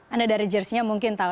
anda dari jersinya mungkin tahu